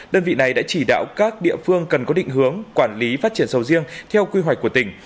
đơn vị này đã chỉ đạo các địa phương cần có định hướng quản lý phát triển sầu riêng theo quy hoạch của tỉnh